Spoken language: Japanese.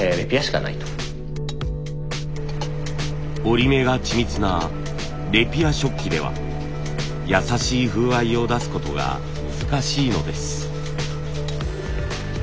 織り目が緻密なレピア織機では優しい風合いを出すことが難しいのです。